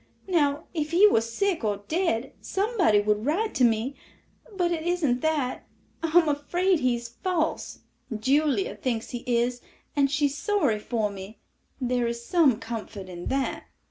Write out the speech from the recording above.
Now if he were sick or dead, somebody would write to me; but it isn't that—I am afraid he's false. Julia thinks he is, and she is sorry for me, there is some comfort in that."